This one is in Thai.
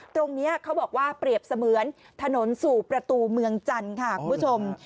ตรงนี้เขาบอกว่าเปรียบเสมือนถนนสู่ประตูเมืองจันทร์ค่ะคุณผู้ชม